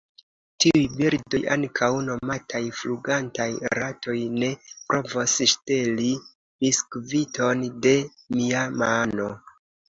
Tiuj birdoj, ankaŭ nomataj flugantaj ratoj, ne provos ŝteli biskviton de mia mano.